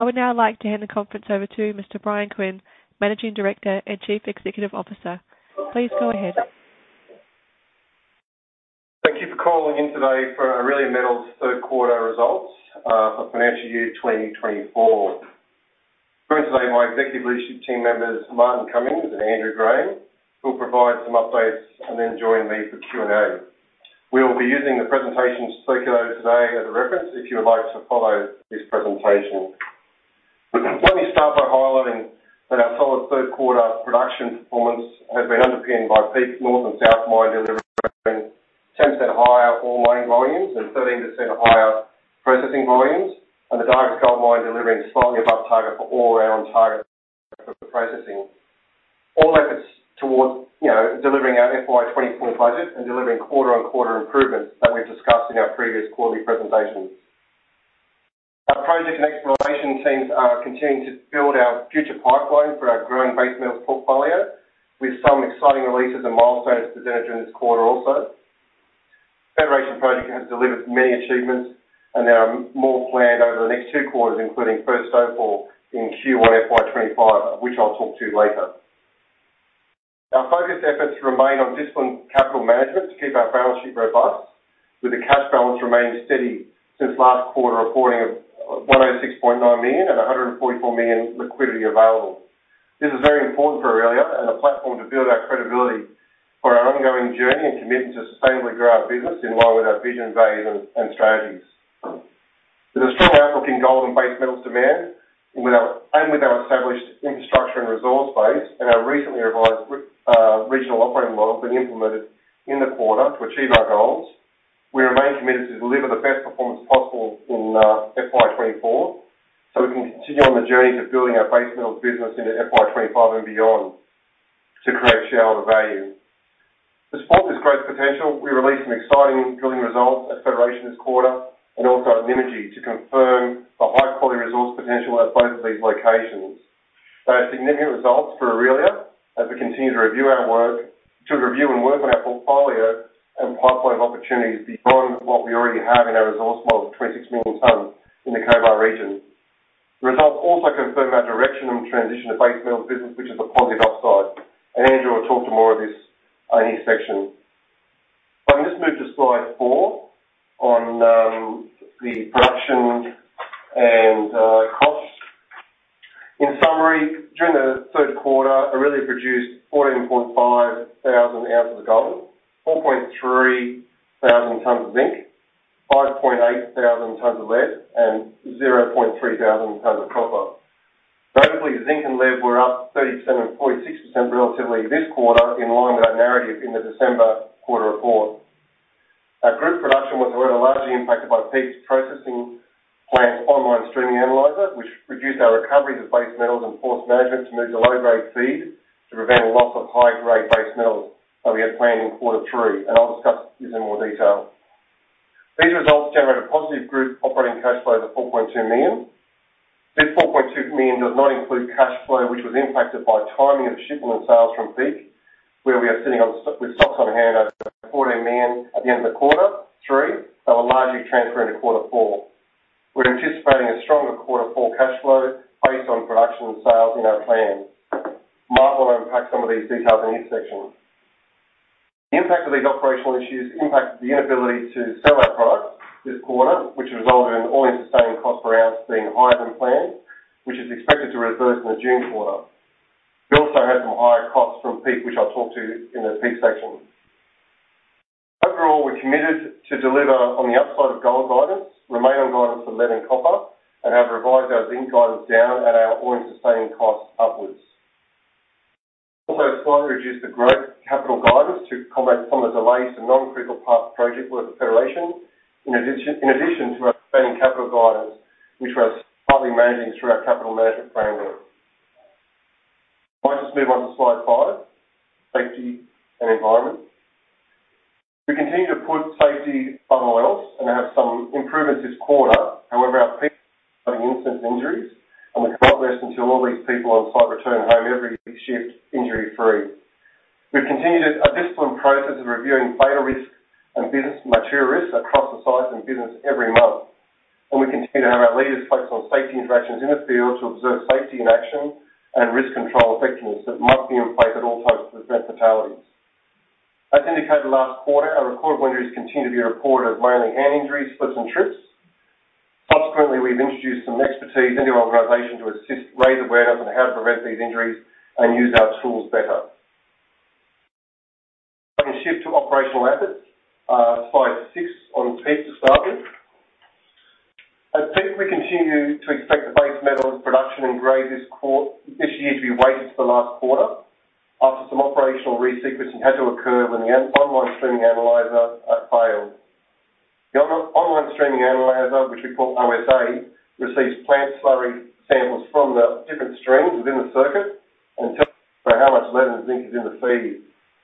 I would now like to hand the conference over to Mr. Bryan Quinn, Managing Director and Chief Executive Officer. Please go ahead. Thank you for calling in today for Aurelia Metals' third quarter results for financial year 2024. First today, my executive leadership team members, Martin Cummings and Andrew Graham, will provide some updates and then join me for Q&A. We will be using the presentation circulated today as a reference, if you would like to follow this presentation. Let me start by highlighting that our solid third quarter production performance has been underpinned by Peak North and South Mines delivery, 10% higher ore mining volumes and 13% higher processing volumes, and the Dargues Gold Mine delivering slightly above target for ore, around target for processing. All efforts towards, you know, delivering our FY 2024 budget and delivering quarter-on-quarter improvements that we've discussed in our previous quarterly presentations. Our project and exploration teams are continuing to build our future pipeline for our growing base metals portfolio, with some exciting releases and milestones presented during this quarter also. Federation Project has delivered many achievements, and there are more planned over the next two quarters, including first ore in Q1 FY25, which I'll talk to later. Our focused efforts remain on disciplined capital management to keep our balance sheet robust, with the cash balance remaining steady since last quarter, reporting of 106.9 million and 144 million liquidity available. This is very important for Aurelia and a platform to build our credibility for our ongoing journey and commitment to sustainably grow our business in line with our vision, values, and, and strategies. With a strong outlook in gold and base metals demand, with our-- and with our established infrastructure and resource base and our recently revised regional operating model being implemented in the quarter to achieve our goals, we remain committed to deliver the best performance possible in FY 2024, so we can continue on the journey to building our base metals business into FY 2025 and beyond to create shareholder value. To support this growth potential, we released some exciting drilling results at Federation this quarter and also at Nymagee to confirm the high-quality resource potential at both of these locations. They are significant results for Aurelia as we continue to review our work, to review and work on our portfolio and pipeline of opportunities beyond what we already have in our resource model of 26 million tonnes in the Cobar region. The results also confirm our direction and transition to base metal business, which is a positive upside. And Andrew will talk to more of this in his section. I'll just move to slide four on the production and costs. In summary, during the third quarter, Aurelia produced 14,500 ounces of gold, 4,300 tonnes of zinc, 5,800 tonnes of lead, and 300 tonnes of copper. Notably, zinc and lead were up 37% and 46%, respectively this quarter, in line with our narrative in the December quarter report. Our group production was rather largely impacted by Peak's processing plant's on-stream analyzer, which reduced our recovery of base metals and forced management to move to low-grade feed to prevent loss of high-grade base metals that we had planned in quarter three, and I'll discuss this in more detail. These results generated a positive group operating cash flow of 4.2 million. This 4.2 million does not include cash flow, which was impacted by timing of shipment sales from Peak, where we are sitting on with stocks on hand over 14 million at the end of the quarter three, that will largely transfer into quarter four. We're anticipating a stronger quarter four cash flow based on production and sales in our plan. Martin will unpack some of these details in his section. The impact of these operational issues impacted the inability to sell our products this quarter, which resulted in All-In Sustaining Costs per ounce being higher than planned, which is expected to reverse in the June quarter. We also had some higher costs from Peak, which I'll talk to in the Peak section. Overall, we're committed to deliver on the upside of gold guidance, remain on guidance for lead and copper, and have revised our zinc guidance down and our all-in sustaining costs upwards. Also, slightly reduced the growth capital guidance to combat some of the delays to non-critical path project work at Federation, in addition to our spending capital guidance, which we're partly managing through our capital management framework. I'll just move on to slide 5, safety and environment. We continue to put safety above all else and have some improvements this quarter. However, our people are having incidents and injuries, and we cannot rest until all these people on site return home every shift, injury-free. We've continued a disciplined process of reviewing fatal risks and business material risks across the site and business every month, and we continue to have our leaders focus on safety interactions in the field to observe safety in action and risk control effectiveness that must be in place at all times to prevent fatalities. As indicated last quarter, our recorded injuries continue to be reported as mainly hand injuries, slips, and trips. Subsequently, we've introduced some expertise into our organization to assist, raise awareness on how to prevent these injuries and use our tools better. Let me shift to operational assets. Slide six on Peak, to start with. At Peak, we continue to expect the base metals production and grade this year to be weighted to the last quarter, after some operational resequencing had to occur when the on-stream analyzer failed. The on-stream analyzer, which we call OSA, receives plant slurry samples from the different streams within the circuit and tells us how much lead and zinc is in the feed,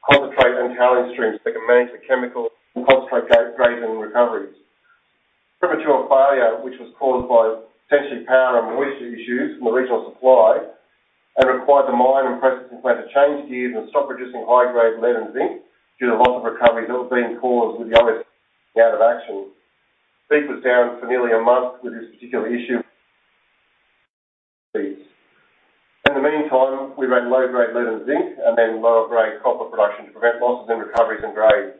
concentrate and tailings streams that can manage the chemical and concentrate grades and recoveries. Premature failure, which was caused by essentially power and moisture issues from the regional supply and required the mine and processing plant to change gears and stop producing high-grade lead and zinc due to loss of recovery that was being caused with the out of action. Peak was down for nearly a month with this particular issue. In the meantime, we ran low-grade lead and zinc, and then low-grade copper production to prevent losses in recoveries and grades.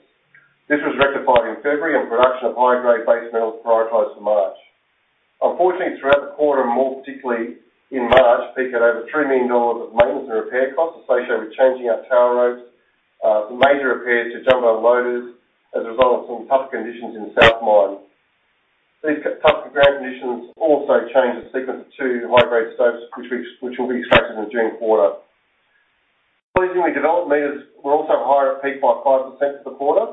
This was rectified in February, and production of high-grade base metals prioritized for March. Unfortunately, throughout the quarter, and more particularly in March, Peak had at over 3 million dollars of maintenance and repair costs associated with changing our tail ropes, some major repairs to jumbos and loaders as a result of some tough conditions in the South Mine. These tough ground conditions also changed the sequence to high-grade stopes, which will be expected in the June quarter. Pleasingly, development metres were also higher at peak by 5% for the quarter,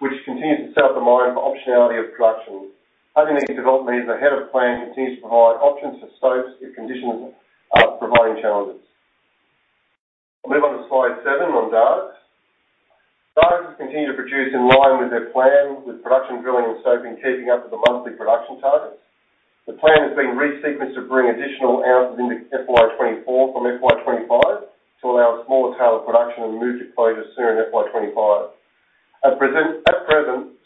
which continues to set up the mine for optionality of production. Having these development metres ahead of plan continues to provide options for stopes if conditions are providing challenges. I'll move on to slide seven on Dargues. Dargues has continued to produce in line with their plan, with production, drilling, and stoping, keeping up with the monthly production targets. The plan has been re-sequenced to bring additional ounces into FY 2024 from FY 2025, to allow a smaller tail of production and move to closure sooner in FY 2025. At present,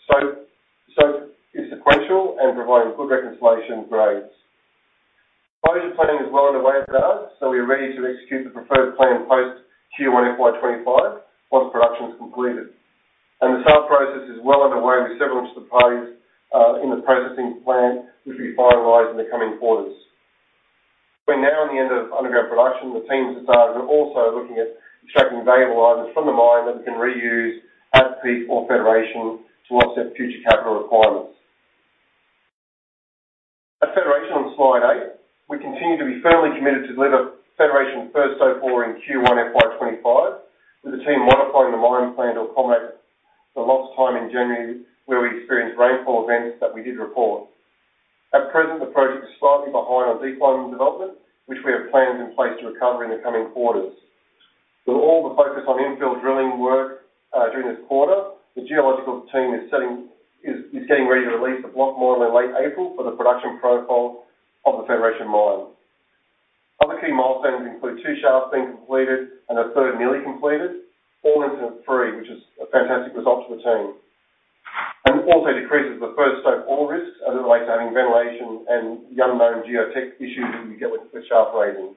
stoping is sequential and providing good reconciliation grades. Closure planning is well underway at Dargues, so we are ready to execute the preferred plan post Q1 FY 2025, once production is completed. The sale process is well underway, with several in the frame in the processing plant, which we finalize in the coming quarters. We're now in the end of underground production. The teams at Dargues are also looking at extracting valuable items from the mine that we can reuse at Peak or Federation to offset future capital requirements. At Federation on slide eight, we continue to be firmly committed to deliver Federation's first ore in Q1 FY25, with the team modifying the mine plan to accommodate the lost time in January, where we experienced rainfall events that we did report. At present, the project is slightly behind on decline development, which we have plans in place to recover in the coming quarters. With all the focus on infill drilling work during this quarter, the geological team is getting ready to release the block model in late April for the production profile of the Federation mine. Other key milestones include two shafts being completed and a third nearly completed, all in Q3, which is a fantastic result for the team. Also decreases the first stope ore risk, as it relates to having ventilation and unknown geotech issues when you get with the shaft raising.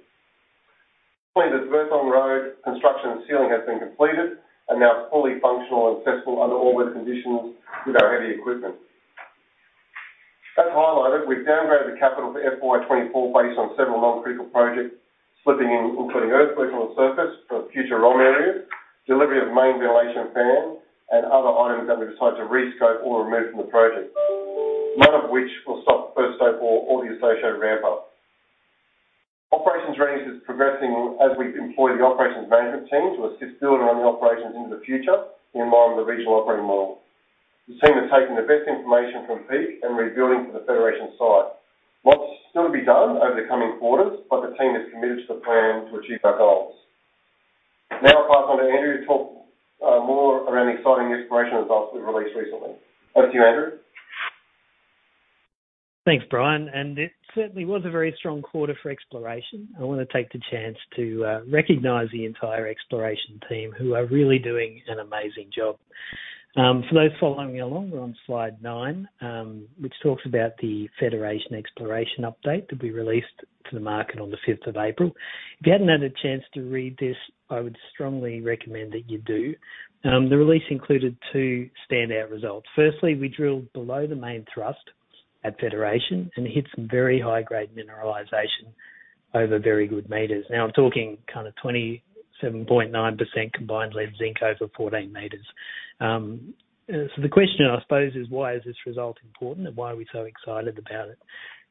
The first on-road construction and sealing has been completed, and now it's fully functional and accessible under all wet conditions with our heavy equipment. As highlighted, we've downgraded the capital for FY 2024, based on several non-critical projects slipping in, including earthwork on the surface for future ROM areas, delivery of main ventilation fans, and other items that we decided to re-scope or remove from the project. None of which will stop first stope ore or the associated ramp up. Operations ramp is progressing as we employ the operations management team to assist building on the operations into the future, in line with the regional operating model. The team is taking the best information from Peak and rebuilding for the Federation site. Lots still to be done over the coming quarters, but the team is committed to the plan to achieve our goals. Now I'll pass on to Andrew to talk more around the exciting exploration results we released recently. Over to you, Andrew. Thanks, Bryan, and it certainly was a very strong quarter for exploration. I want to take the chance to recognize the entire exploration team, who are really doing an amazing job. For those following along, we're on slide nine, which talks about the Federation exploration update that we released to the market on the fifth of April. If you hadn't had a chance to read this, I would strongly recommend that you do. The release included two standout results. Firstly, we drilled below the Main Thrust at Federation and hit some very high-grade mineralization over very good metres. Now I'm talking kind of 27.9% combined lead zinc over 14 metres. So the question, I suppose, is why is this result important, and why are we so excited about it?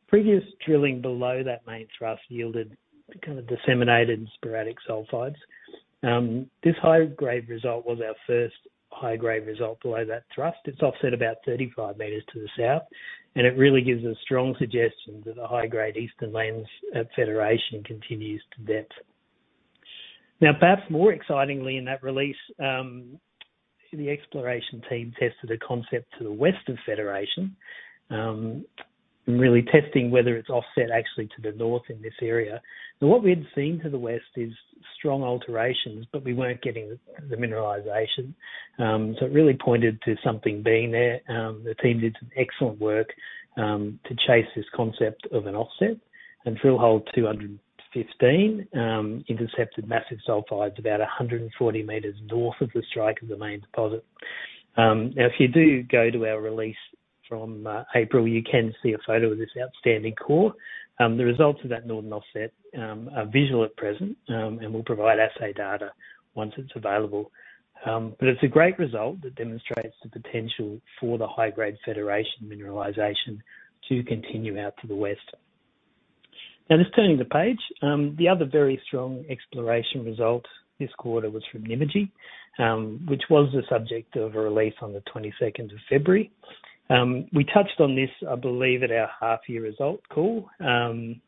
Previous drilling below that Main Thrust yielded kind of disseminated and sporadic sulfides. This high-grade result was our first high-grade result below that thrust. It's offset about 35 metres to the south, and it really gives a strong suggestion that the high-grade Eastern Lens at Federation continues to depth. Now, perhaps more excitingly in that release, the exploration team tested a concept to the west of Federation, really testing whether it's offset actually to the north in this area. Now, what we had seen to the west is strong alterations, but we weren't getting the mineralization. So it really pointed to something being there. The team did some excellent work to chase this concept of an offset, and drill hole 215 intercepted massive sulfides about 140 metres north of the strike of the main deposit. Now, if you do go to our release from April, you can see a photo of this outstanding core. The results of that northern offset are visual at present, and we'll provide assay data once it's available. But it's a great result that demonstrates the potential for the high-grade Federation mineralization to continue out to the west. Now, just turning the page, the other very strong exploration result this quarter was from Nymagee, which was the subject of a release on the twenty-second of February. We touched on this, I believe, at our half-year result call. The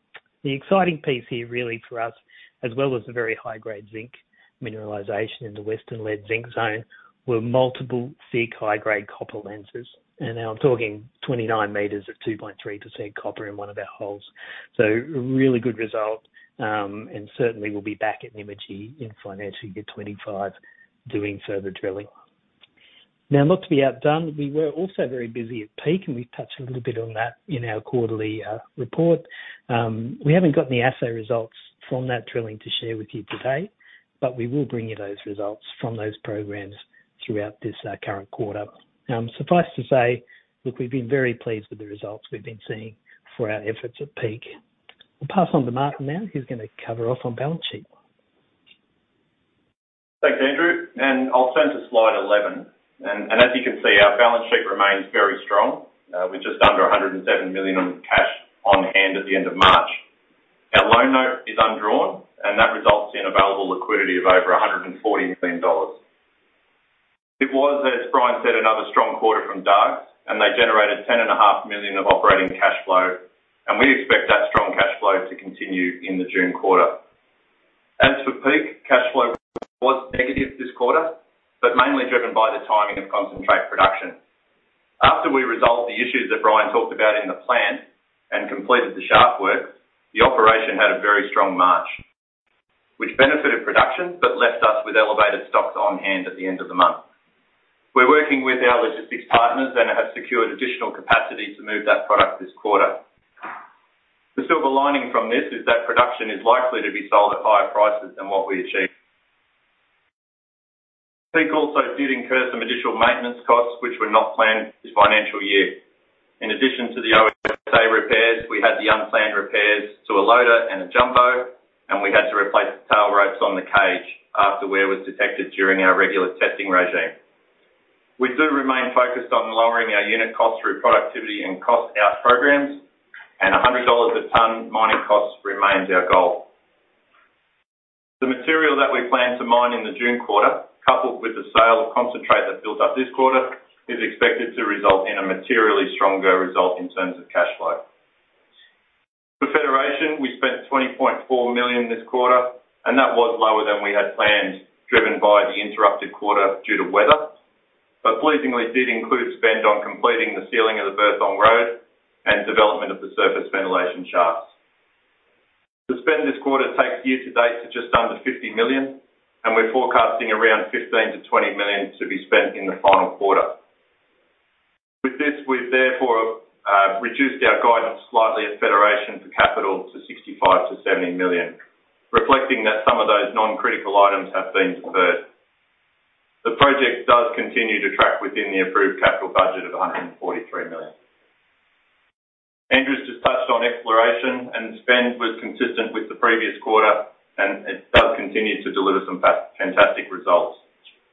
exciting piece here really for us, as well as the very high-grade zinc mineralization in the Western Lead Zinc Zone, were multiple thick, high-grade copper lenses, and now I'm talking 29 metres of 2.3% copper in one of our holes. So really good result, and certainly we'll be back at Nymagee in financial year 2025 doing further drilling. Now, not to be outdone, we were also very busy at Peak, and we've touched a little bit on that in our quarterly report. We haven't got any assay results from that drilling to share with you today, but we will bring you those results from those programs throughout this current quarter. Suffice to say, look, we've been very pleased with the results we've been seeing for our efforts at Peak. I'll pass on to Martin now, who's gonna cover off on balance sheet. Thanks, Andrew, and I'll turn to slide 11. And as you can see, our balance sheet remains very strong, with just under 107 million on cash on hand at the end of March. Our loan note is undrawn, and that results in available liquidity of over 114 million dollars. It was, as Bryan said, another strong quarter from Dargues, and they generated 10.5 million of operating cash flow, and we expect that strong cash flow to continue in the June quarter. As for Peak, cash flow was negative this quarter, but mainly driven by the timing of concentrate production. After we resolved the issues that Bryan talked about in the plant and completed the shaft work, the operation had a very strong March, which benefited production but left us with elevated stocks on hand at the end of the month. We're working with our logistics partners and have secured additional capacity to move that product this quarter. The silver lining from this is that production is likely to be sold at higher prices than what we achieved. Peak also did incur some additional maintenance costs, which were not planned this financial year. In addition to the OSA repairs, we had the unplanned repairs to a loader and a jumbo, and we had to replace the tail ropes on the cage after wear was detected during our regular testing regime. We do remain focused on lowering our unit costs through productivity and cost out programs, and 100 dollars/tonne mining cost remains our goal. The material that we plan to mine in the June quarter, coupled with the sale of concentrate that built up this quarter, is expected to result in a materially stronger result in terms of cash flow. For Federation, we spent 20.4 million this quarter, and that was lower than we had planned, driven by the interrupted quarter due to weather. But pleasingly, it did include spend on completing the sealing of the Burthong Road and development of the surface ventilation shafts. The spend this quarter takes year to date to just under 50 million, and we're forecasting around 15 million to 20 million to be spent in the final quarter. With this, we've therefore reduced our guidance slightly at Federation for capital to 65 million to 70 million, reflecting that some of those non-critical items have been deferred. The project does continue to track within the approved capital budget of 143 million. Andrew just touched on exploration, and spend was consistent with the previous quarter, and it does continue to deliver some fantastic results.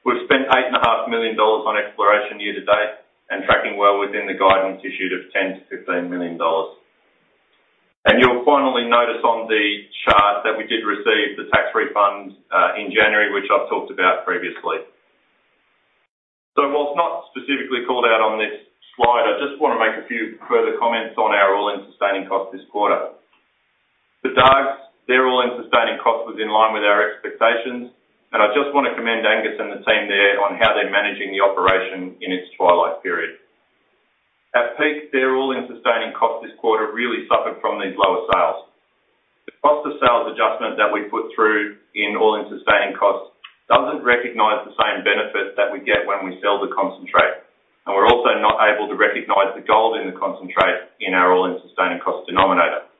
We've spent 8.5 million dollars on exploration year to date and tracking well within the guidance issued of 10 million to 15 million. And you'll finally notice on the chart that we did receive the tax refund in January, which I've talked about previously. So whilst not specifically called out on this slide, I just want to make a few further comments on our all-in sustaining cost this quarter. For Dargues, their All-In Sustaining Costs was in line with our expectations, and I just want to commend Angus and the team there on how they're managing the operation in its twilight period. At Peak, their All-In Sustaining Costs this quarter really suffered from these lower sales. The cost of sales adjustment that we put through in All-In Sustaining Costs doesn't recognize the same benefit that we get when we sell the concentrate, and we're also not able to recognize the gold in the concentrate in our All-In Sustaining Costs denominator.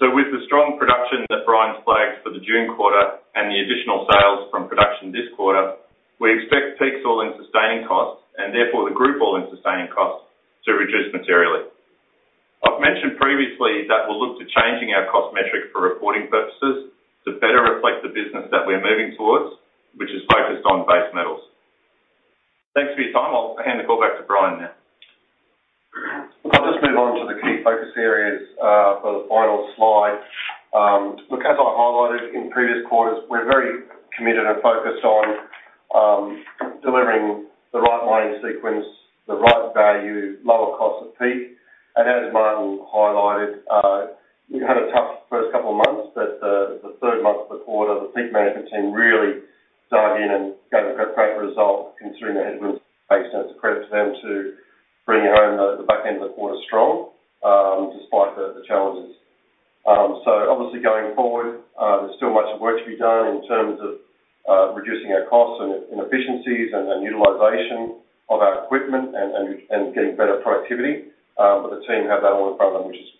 So with the strong production that Bryan flagged for the June quarter and the additional sales from production this quarter, we expect Peak's All-In Sustaining Costs, and therefore the group All-In Sustaining Costs, to reduce materially. I've mentioned previously that we'll look to changing our cost metric for reporting purposes to better reflect the business that we're moving towards, which is focused on base metals. Thanks for your time. I'll hand the call back to Bryan now. I'll just move on to the key focus areas for the final slide. Look, as I highlighted in previous quarters, we're very committed and focused on delivering the right mining sequence, the right value, lower cost of Peak. And as Martin highlighted, we had a tough first couple of months, but the third month of the quarter, the Peak management team really dive in and got a great result considering the headroom in place. And it's a credit to them to bringing home the back end of the quarter strong, despite the challenges. So obviously, going forward, there's still much work to be done in terms of reducing our costs and efficiencies and getting better productivity. But the team have that on the problem, which is that they're fully aware of. In terms of maximizing cash generation from Dargues, obviously, as Martin highlighted, it's been a strong quarter for Dargues. We will see if this will continue on for this current quarter. The team's got a very clear plan in front of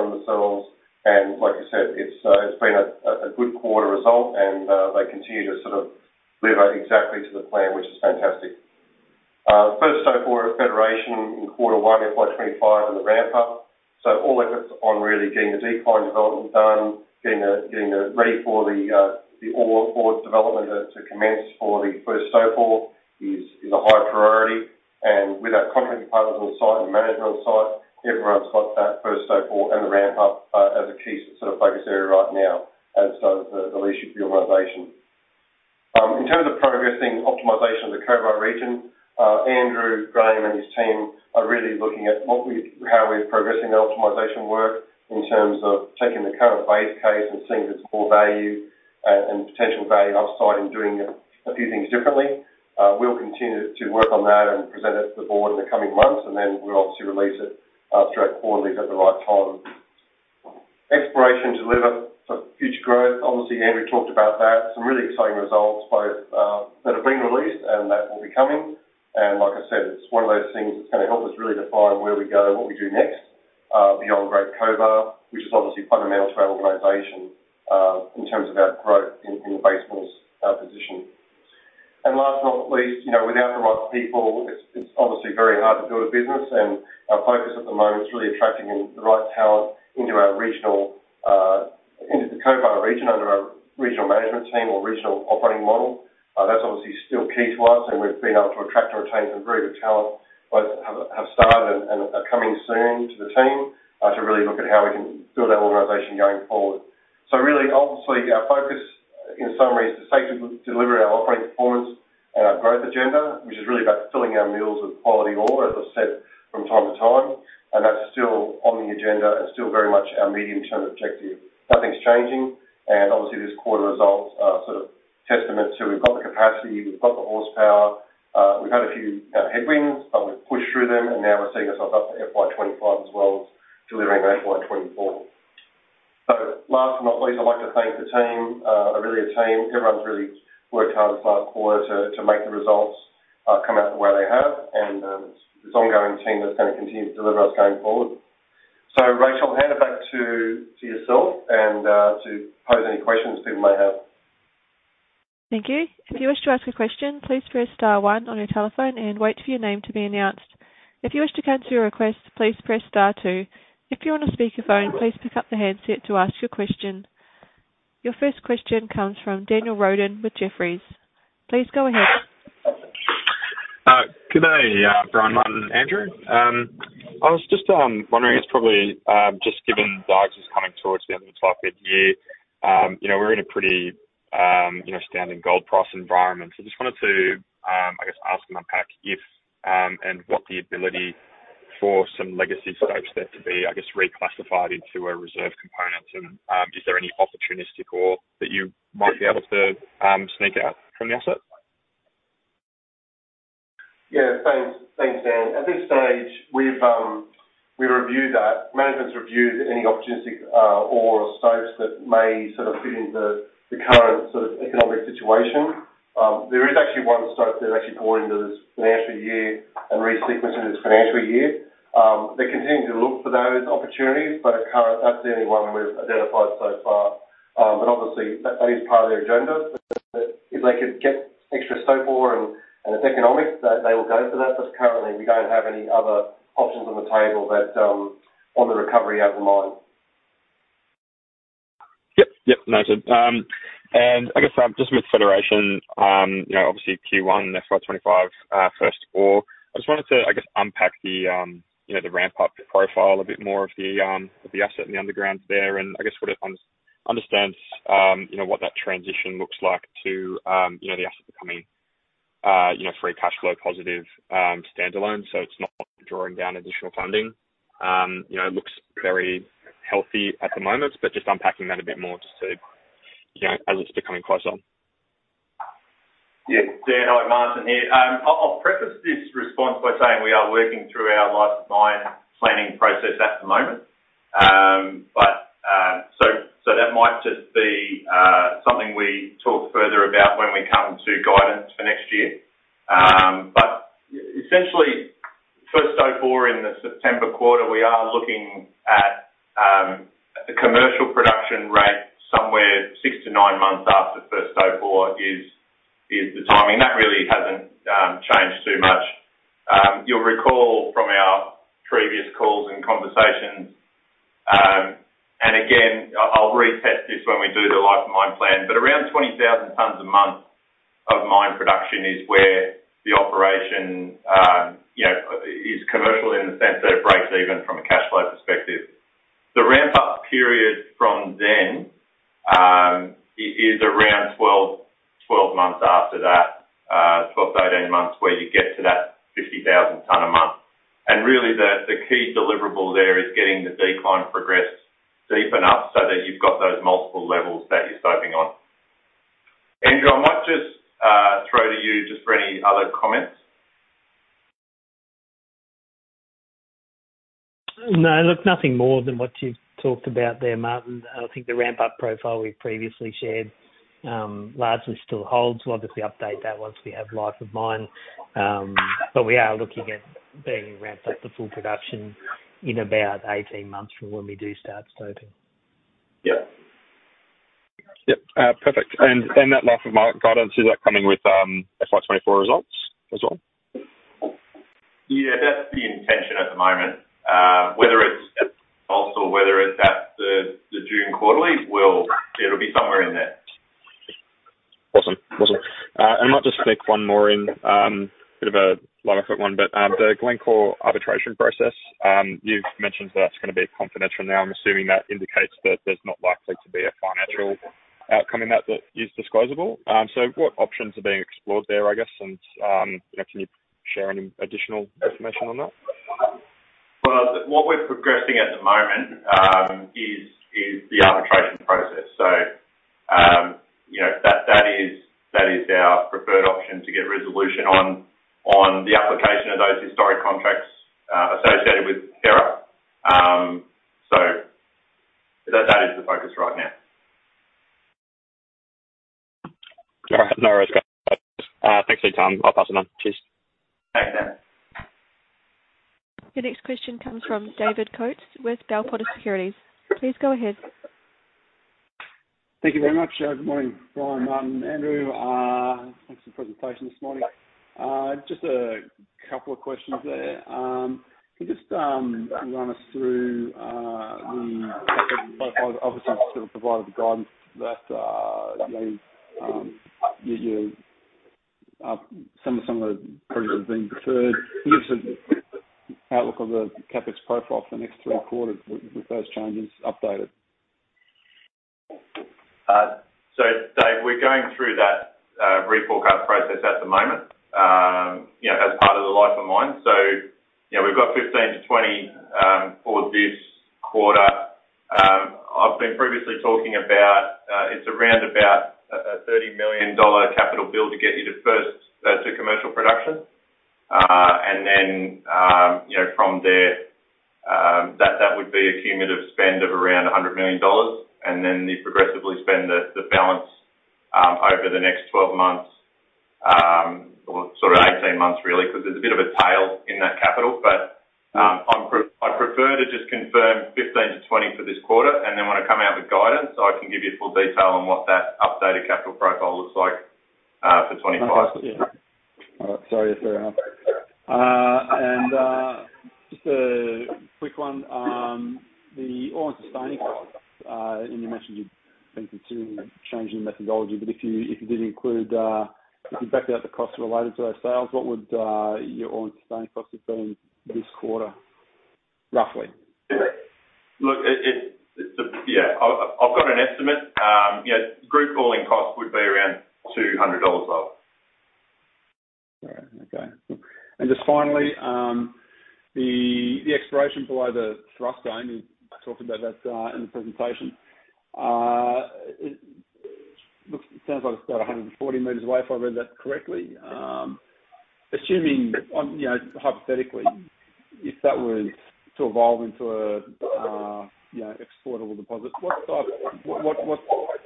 themselves, and like I said, it's been a good quarter result, and they continue to sort of deliver exactly to the plan, which is fantastic. First stope of Federation in quarter one, FY 25, and the ramp up. So all efforts on really getting the decline development done, getting it ready for the ore development to commence for the first stope is a high priority. With our company partners on site and management on site, everyone's got that first stope and the ramp up as a key sort of focus area right now, and so the leadership of the organization. In terms of progressing optimization of the Cobar region, Andrew Graham and his team are really looking at how we're progressing the optimization work in terms of taking the current base case and seeing if it's more value and potential value upside, and doing a few things differently. We'll continue to work on that and present it to the board in the coming months, and then we'll obviously release it straightforwardly at the right time. Exploration deliver for future growth. Obviously, Andrew talked about that. Some really exciting results, both that have been released and that will be coming, and like I said, it's one of those things that's gonna help us really define where we go, what we do next, beyond Great Cobar, which is obviously fundamental to our organization in terms of our growth in the base metals position. Last but not least, you know, without the right people, it's, it's obviously very hard to build a business, and our focus at the moment is really attracting in the right talent into our regional, into the Cobar region, under our regional management team or regional operating model. That's obviously still key to us, and we've been able to attract and retain some very good talent, both have started and are coming soon to the team, to really look at how we can build our organization going forward. So really, obviously, our focus in summary is to safely deliver our operating performance and our growth agenda, which is really about filling our mills with quality ore, as I've said from time to time, and that's still on the agenda and still very much our medium-term objective. Nothing's changing, and obviously, this quarter results are sort of testament to, we've got the capacity, we've got the horsepower, we've had a few headwinds, but we've pushed through them, and now we're seeing ourselves up to FY 2025 as well as delivering in FY 2024. So last but not least, I'd like to thank the team. We're really a team. Everyone's really worked hard this last quarter to make the results come out the way they have, and this ongoing team that's gonna continue to deliver us going forward. So Rochelle, I'll hand it back to yourself and to pose any questions people may have. Thank you. If you wish to ask a question, please press star one on your telephone and wait for your name to be announced. If you wish to cancel your request, please press star two. If you're on a speakerphone, please pick up the handset to ask your question. Your first question comes from Daniel Roden with Jefferies. Please go ahead. Good day, Bryan, Martin, and Andrew. I was just wondering, it's probably just given guides is coming towards the end of the financial year. You know, we're in a pretty you know, standing gold price environment, so just wanted to I guess, ask and unpack if and what the ability for some legacy stopes there to be I guess, reclassified into a reserve component and is there any opportunistic ore that you might be able to sneak out from the asset? Yeah, thanks. Thanks, Dan. At this stage, we've reviewed that. Management's reviewed any opportunistic ore stopes that may sort of fit into the current sort of economic situation. There is actually one stope that actually fall into this financial year and re-sequenced in this financial year. They're continuing to look for those opportunities, but at current, that's the only one we've identified so far. But obviously, that is part of their agenda. If they could get extra stope ore and it's economic, they will go for that, but currently, we don't have any other options on the table that on the recovery outline. Yep. Yep, noted. And I guess, just with Federation, you know, obviously Q1 FY25, I just wanted to, I guess, unpack the, you know, the ramp up profile a bit more of the, of the asset and the underground there, and I guess, what it understands, you know, what that transition looks like to, you know, the asset becoming, you know, free cash flow positive, standalone. So it's not drawing down additional funding. You know, it looks very healthy at the moment, but just unpacking that a bit more just to, you know, as it's becoming closer. Yeah. Dan, hi, Martin here. I'll preface this response by saying we are working through our life of mine planning process at the moment. But so that might just be something we talk further about when we come to guidance for next year. But essentially, first ore in the September quarter, we are looking at a commercial production rate somewhere six to nine months after first ore is the timing. That really hasn't changed too much. You'll recall from our previous calls and conversations, and again, I'll revisit this when we do the life of mine plan, but around 20,000 tonnes a month of mine production is where the operation, you know, is commercial in the sense that it breaks even from a cash flow perspective. The ramp-up period from then is around 12 months after that, 12 to 18 months, where you get to that 50,000 tonnes a month. And really, the key deliverable there is getting the decline progressed deep enough so that you've got those multiple levels that you're stoping on. Andrew, I might just throw to you just for any other comments. No, look, nothing more than what you've talked about there, Martin. I think the ramp-up profile we've previously shared, largely still holds. We'll obviously update that once we have life of mine, but we are looking at being ramped up to full production in about 18 months from when we do start stoping. Yeah. Yep, perfect. And that life of mine guidance, is that coming with FY 24 results as well? Yeah, that's the intention at the moment. Whether it's also, whether it's at the, the June quarterly, it'll be somewhere in there. Awesome. Awesome. And might just sneak one more in, bit of a light one, but, the Glencore arbitration process, you've mentioned that's gonna be confidential now. I'm assuming that indicates that there's not likely to be a financial outcome in that, that is disclosable. So what options are being explored there, I guess? And, you know, can you-... share any additional information on that? Well, what we're progressing at the moment is the arbitration process. So, you know, that is our preferred option to get resolution on the application of those historic contracts associated with Hera. So that is the focus right now. All right. No worries, guys. Thanks for your time. I'll pass them on. Cheers. Thanks, Dan. Your next question comes from David Coates with Bell Potter Securities. Please go ahead. Thank you very much. Good morning, Bryan, Martin, Andrew. Thanks for the presentation this morning. Just a couple of questions there. Can you just run us through the obviously sort of provided the guidance that you some of the projects have been deferred. Give us an outlook on the CapEx profile for the next three quarters with those changes updated. So, Dave, we're going through that reforecast process at the moment, you know, as part of the life of mine. So, you know, we've got 15 to 20 for this quarter. I've been previously talking about, it's around about a 30 million dollar capital bill to get you to first to commercial production. And then, you know, from there, that would be a cumulative spend of around 100 million dollars, and then you progressively spend the balance over the next 12 months or sort of 18 months, really, because there's a bit of a tail in that capital. I'd prefer to just confirm 15 to 20 for this quarter, and then when I come out with guidance, I can give you full detail on what that updated capital profile looks like, for 2025. Sorry, fair enough. And just a quick one, the all-in sustaining costs, and you mentioned you've been considering changing the methodology, but if you did include, if you backed out the costs related to those sales, what would your all-in sustaining costs have been this quarter, roughly? Look, it's a... Yeah, I've got an estimate. You know, group all-in cost would be around 200 dollars. All right. Okay. And just finally, the, the exploration below the thrust zone, you talked about that, in the presentation. It looks, it sounds like it's about 140 metres away, if I read that correctly. Assuming, you know, hypothetically, if that were to evolve into a, you know, exportable deposit, what type, what, what,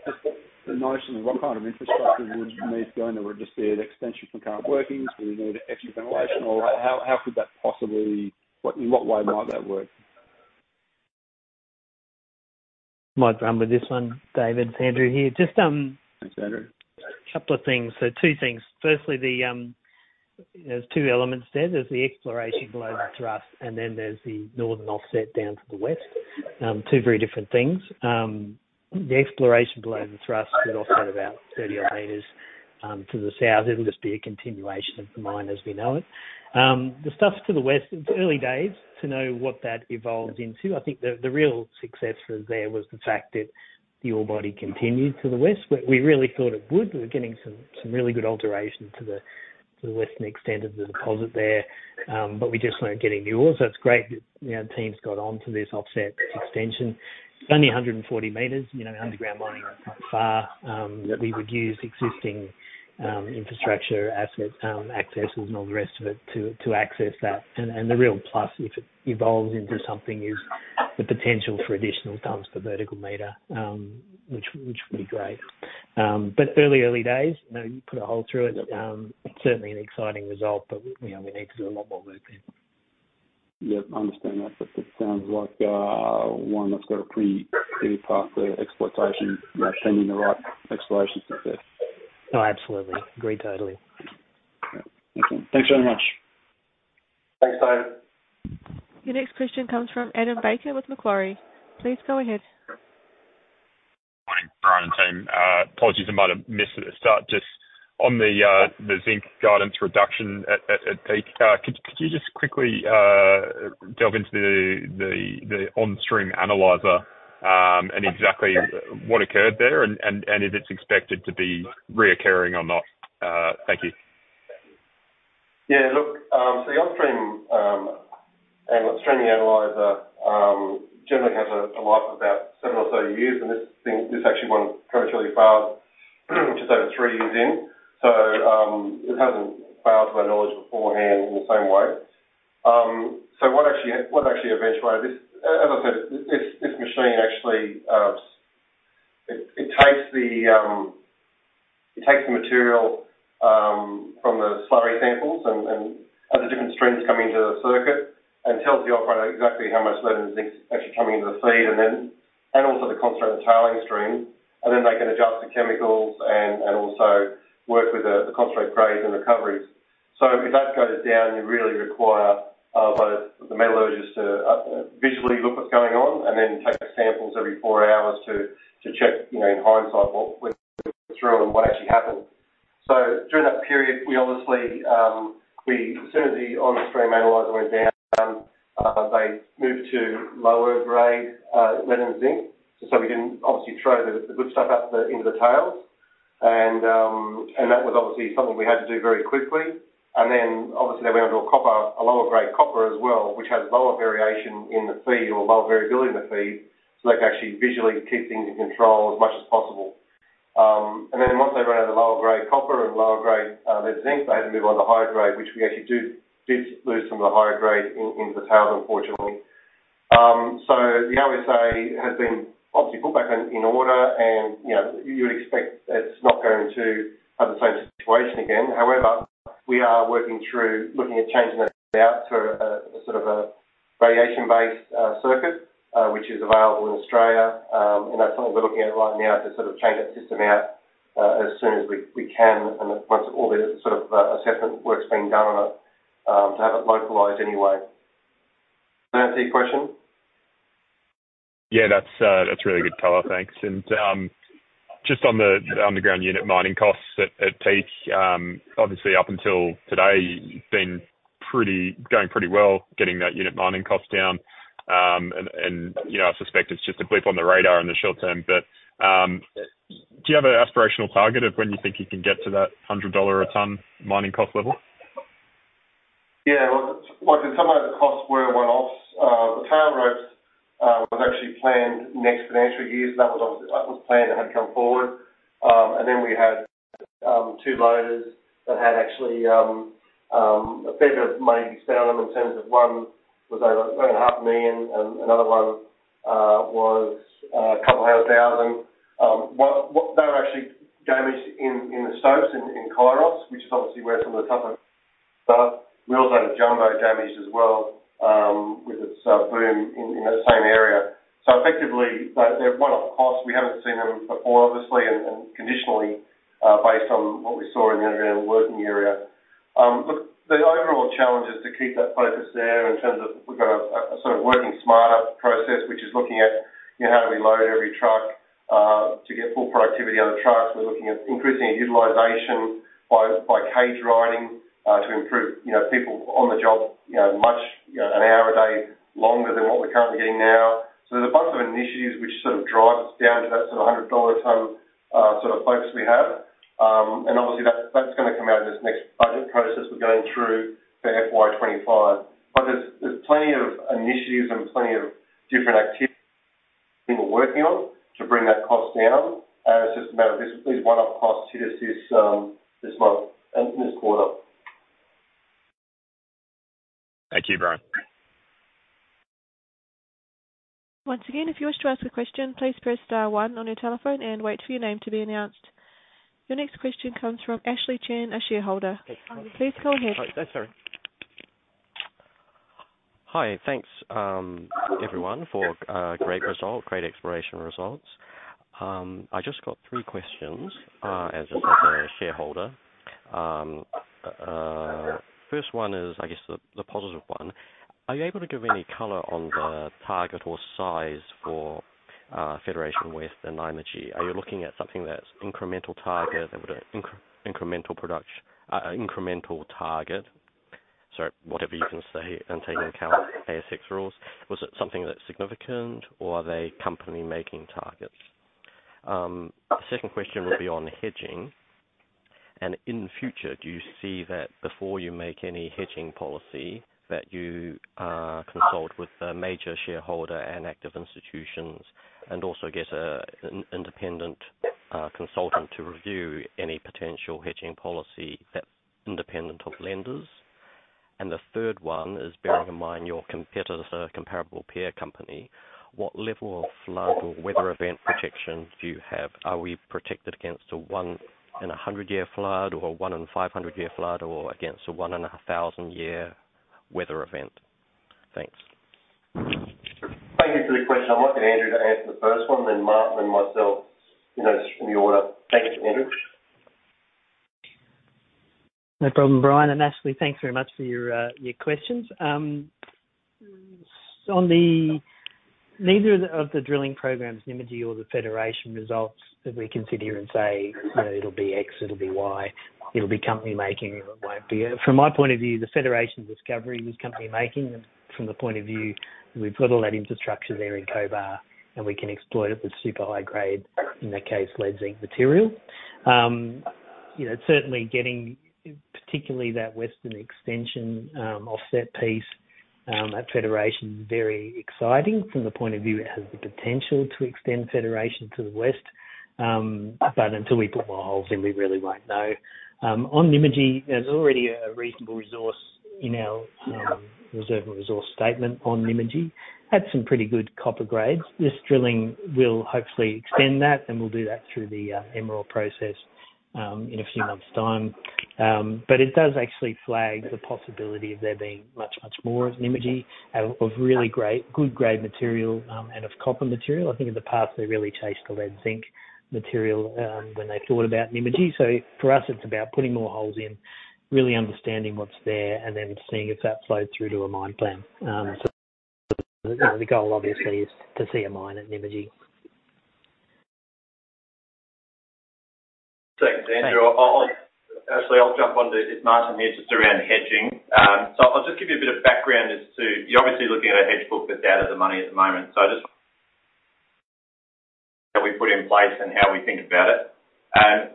just the notion of what kind of infrastructure would you need going there? Would just be an extension from current workings? Would you need extra ventilation or how, how could that possibly... What, in what way might that work? Might run with this one, David. It's Andrew here. Just, Thanks, Andrew. A couple of things. So two things. Firstly, the, there's two elements there. There's the exploration below the thrust, and then there's the northern offset down to the west. Two very different things. The exploration below the thrust is also about 30-odd metres to the south. It'll just be a continuation of the mine as we know it. The stuff to the west, it's early days to know what that evolves into. I think the real success for there was the fact that the ore body continued to the west. We really thought it would. We were getting some really good alterations to the western extent of the deposit there, but we just weren't getting the ore. So it's great that, you know, teams got on to this offset extension. It's only 140 metres, you know, underground mining, not far, that we would use existing infrastructure, assets, accesses and all the rest of it to, to access that. And, and the real plus, if it evolves into something, is the potential for additional tonnes to vertical meter, which, which would be great. But early, early days. You know, you put a hole through it, it's certainly an exciting result, but, you know, we need to do a lot more work then. Yep, I understand that, but it sounds like one that's got a pretty, pretty path to exploitation, you know, assuming the right exploration success. Oh, absolutely. Agree totally. Okay. Thanks very much. Thanks, David. Your next question comes from Adam Baker with Macquarie. Please go ahead. Morning, Bryan and team. Apologies if I might have missed the start. Just on the zinc guidance reduction at Peak, could you just quickly delve into the on-stream analyzer and exactly what occurred there, and if it's expected to be recurring or not? Thank you. Yeah, look, so the on-stream analyzer generally has a life of about seven or so years, and this thing, this actually one prematurely failed, which is over three years in. So, it hasn't failed, to my knowledge, beforehand in the same way. So what actually, what actually eventuated this? As I said, this machine actually, it takes the material from the slurry samples and other different streams coming into the circuit and tells the operator exactly how much lead and zinc is actually coming into the feed, and then... And also the concentrate and tailings stream, and then they can adjust the chemicals and also work with the concentrate grades and recoveries. So if that goes down, you really require both the metallurgists to visually look what's going on and then take samples every four hours to check, you know, in hindsight, what went through and what actually happened. So during that period, we obviously, as soon as the on-stream analyzer went down, they moved to lower grade lead and zinc, so we can obviously throw the good stuff out into the tails. And that was obviously something we had to do very quickly. And then obviously, we went to a copper, a lower grade copper as well, which has lower variation in the feed or lower variability in the feed, so that can actually visually keep things in control as much as possible. And then once they run out of the lower grade copper and lower grade lead and zinc, they had to move on to higher grade, which we actually did lose some of the higher grade into the tailings, unfortunately. So the OSA has been obviously put back in, in order, and, you know, you would expect it's not going to have the same situation again. However, we are working through looking at changing it out to a sort of a variation-based circuit, which is available in Australia. And that's something we're looking at right now, to sort of change that system out, as soon as we can, and once all the sort of assessment work's been done on it, to have it localized anyway. Does that answer your question? Yeah, that's really good, Tyler. Thanks. And just on the underground unit mining costs at Peak, obviously, up until today, it's been pretty, going pretty well, getting that unit mining cost down. And you know, I suspect it's just a blip on the radar in the short term. But do you have an aspirational target of when you think you can get to that 100 dollar a tonnes mining cost level? Yeah, well, like I said, some of the costs were one-offs. The tire ropes was actually planned next financial year. That was obviously, that was planned and had come forward. And then we had two loaders that had actually a fair bit of money spent on them in terms of one was over 500,000, and another one was a couple of thousand. What, what they were actually damaged in the stopes in Kairos, which is obviously where some of the tougher stuff. We also had a jumbo damaged as well, with its boom in the same area. So effectively, they, they're one-off costs. We haven't seen them before, obviously, and conditionally based on what we saw in the underground working area. Look, the overall challenge is to keep that focus there in terms of we've got a sort of working smarter process, which is looking at, you know, how do we load every truck to get full productivity out of trucks? We're looking at increasing utilization by cage riding to improve, you know, people on Are you able to give any color on the target or size for Federation West and Nymagee? Are you looking at something that's incremental target, that would incremental production, incremental target? Sorry, whatever you can say and take into account ASX rules. Was it something that's significant, or are they company making targets? The second question will be on hedging. And in the future, do you see that before you make any hedging policy, that you consult with the major shareholder and active institutions, and also get an independent consultant to review any potential hedging policy that's independent of lenders? The third one is, bearing in mind your competitor, comparable peer company, what level of flood or weather event protection do you have? Are we protected against a one-in-100-year flood, or a one-in-500-year flood, or against a one-in-1,000-year weather event? Thanks. Thank you for the question. I'd like Andrew to answer the first one, then Martin and myself, you know, from the order. Thank you, Andrew. No problem, Bryan and Ashley, thanks very much for your, your questions. On the... Neither of the drilling programs, Nymagee or the Federation results, that we can sit here and say, "It'll be X, it'll be Y, it'll be company making, or it won't be." From my point of view, the Federation discovery is company making, and from the point of view, we've got all that infrastructure there in Cobar, and we can exploit it with super high grade, in that case, lead zinc material. You know, certainly getting, particularly that western extension, offset piece, at Federation, very exciting. From the point of view, it has the potential to extend Federation to the west. But until we put more holes in, we really won't know. On Nymagee, there's already a reasonable resource in our, reserve and resource statement on Nymagee. Had some pretty good copper grades. This drilling will hopefully extend that, and we'll do that through the MRE process in a few months' time. But it does actually flag the possibility of there being much, much more of Nymagee, of really great, good grade material, and of copper material. I think in the past, they really chased the lead zinc material when they thought about Nymagee. So for us, it's about putting more holes in, really understanding what's there, and then seeing if that flows through to a mine plan. So the goal obviously is to see a mine at Nymagee. ... Andrew, I'll actually jump on to if Martin's here, just around hedging. So I'll just give you a bit of background as to, you're obviously looking at a hedge book that's out of the money at the moment. So just that we put in place and how we think about it.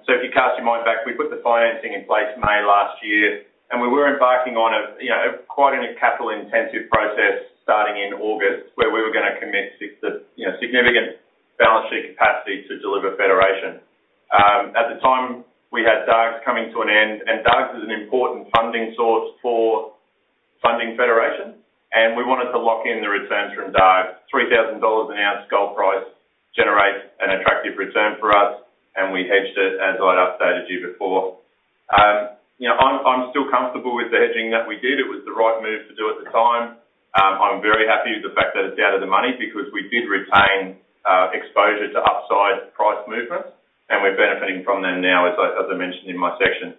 So if you cast your mind back, we put the financing in place May last year, and we were embarking on a, you know, quite a capital-intensive process starting in August, where we were gonna commit to the, you know, significant balance sheet capacity to deliver Federation. At the time, we had Dargues coming to an end, and Dargues is an important funding source for funding Federation, and we wanted to lock in the returns from Dargues. $3,000 an ounce gold price generates an attractive return for us, and we hedged it, as I'd updated you before. You know, I'm still comfortable with the hedging that we did. It was the right move to do at the time. I'm very happy with the fact that it's out of the money because we did retain exposure to upside price movements, and we're benefiting from them now, as I mentioned in my section.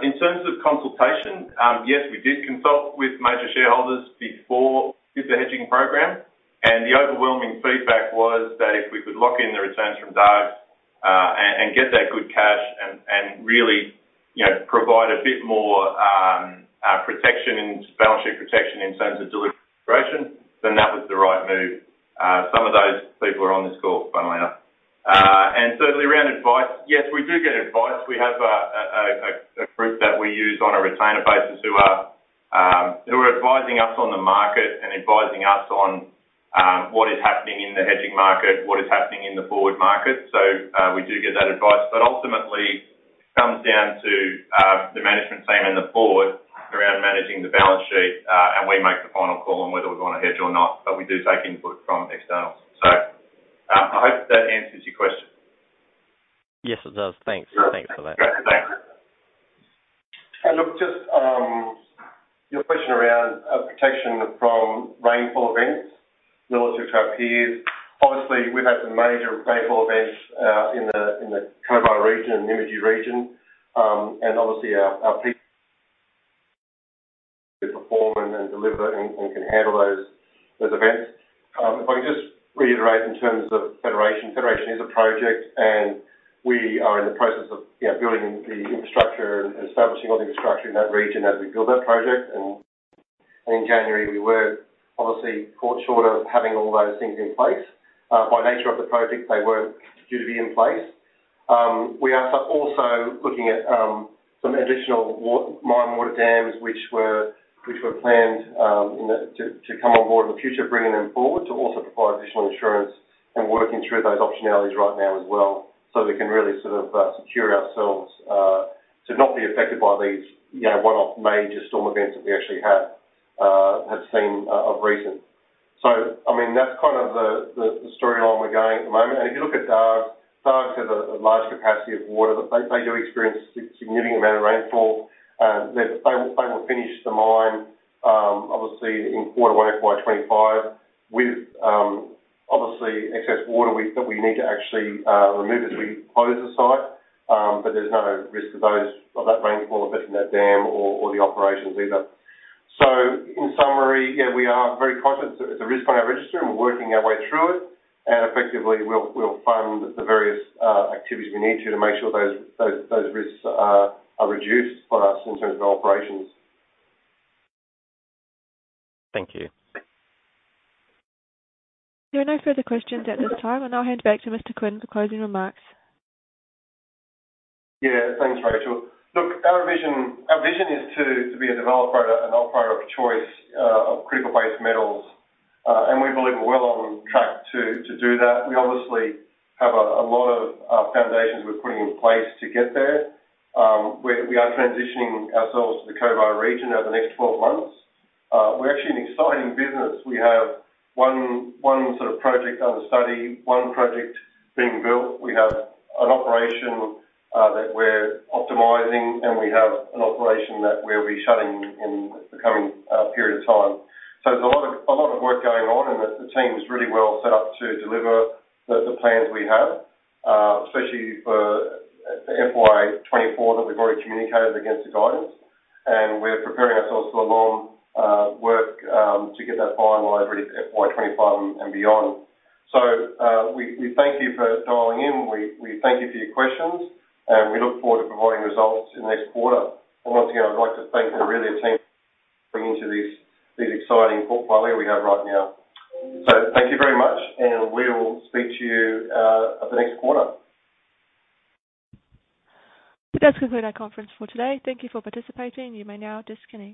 In terms of consultation, yes, we did consult with major shareholders before with the hedging program, and the overwhelming feedback was that if we could lock in the returns from Dargues, and get that good cash and really, you know, provide a bit more protection and balance sheet protection in terms of delivery Federation, then that was the right move. Some of those people are on this call, funnily enough. And certainly around advice, yes, we do get advice. We have a group that we use on a retainer basis who are advising us on the market and advising us on what is happening in the hedging market, what is happening in the forward market. So, we do get that advice, but ultimately, it comes down to the management team and the board around managing the balance sheet, and we make the final call on whether we're going to hedge or not, but we do take input from externals. So, I hope that answers your question. Yes, it does. Thanks. Thanks for that. Great. Thanks. And look, your question around protection from rainfall events relative to our peers. Obviously, we've had some major rainfall events in the Cobar region and Nymagee region. And obviously, our Peak perform and deliver and can handle those events. If I can just reiterate in terms of Federation, Federation is a project, and we are in the process of, you know, building the infrastructure and establishing all the infrastructure in that region as we build that project. And in January, we were obviously caught short of having all those things in place. By nature of the project, they weren't due to be in place. We are also looking at some additional water mine water dams, which were planned to come on board in the future, bringing them forward to also provide additional insurance and working through those optionalities right now as well, so we can really sort of secure ourselves to not be affected by these, you know, one-off major storm events that we actually have seen recently. So, I mean, that's kind of the storyline we're going at the moment. And if you look at Dargues, Dargues has a large capacity of water, that they do experience significant amount of rainfall. They will finish the mine, obviously in quarter one, FY25, with obviously excess water that we need to actually remove as we close the site. But there's no risk of those, of that rainfall affecting that dam or the operations either. So in summary, yeah, we are very conscious it's a risk on our register, and we're working our way through it, and effectively, we'll fund the various activities we need to make sure those risks are reduced for us in terms of our operations. Thank you. There are no further questions at this time. I'll hand back to Mr. Quinn for closing remarks. Yeah, thanks, Rochelle. Look, our vision is to be a developer and operator of choice of critical base metals. And we believe we're well on track to do that. We obviously have a lot of foundations we're putting in place to get there. We are transitioning ourselves to the Cobar region over the next 12 months. We're actually an exciting business. We have one sort of project under study, one project being built. We have an operation that we're optimizing, and we have an operation that we'll be shutting in the coming period of time. So there's a lot of, a lot of work going on, and the team is really well set up to deliver the plans we have, especially for the FY 2024, that we've already communicated against the guidance, and we're preparing ourselves for the long work to get that final over FY 2025 and beyond. So, we thank you for dialing in. We thank you for your questions, and we look forward to providing results in the next quarter. And once again, I'd like to thank the Aurelia team bringing to this exciting portfolio we have right now. So thank you very much, and we will speak to you the next quarter. That does conclude our conference for today. Thank you for participating. You may now disconnect.